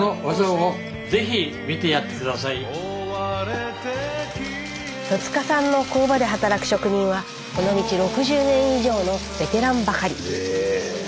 スタジオ戸さんの工場で働く職人はこの道６０年以上のベテランばかり。